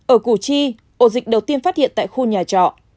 ở củ chi ổ dịch đầu tiên phát hiện tại khu nhà trọ